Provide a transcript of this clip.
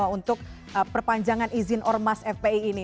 untuk perpanjangan izin ormas fpi ini